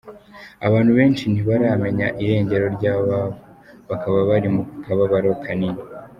Abantu benshi ntibaramenya irengero ry'ababo, bakaba bari mu kababro kanini.